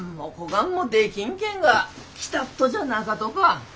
がんもできんけんが来たっとじゃなかとか？